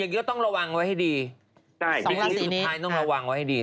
อย่างงี้ก็ต้องระวังไว้ให้ดีใช่สองละสี่นี้ต้องระวังไว้ให้ดี